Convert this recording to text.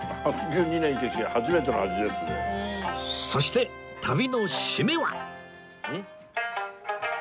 そして旅のシメは